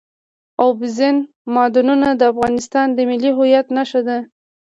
اوبزین معدنونه د افغانستان د ملي هویت نښه ده.